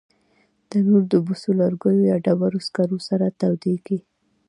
تنور د بوسو، لرګیو یا ډبرو سکرو سره تودېږي